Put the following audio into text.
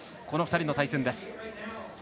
この２人の対戦です。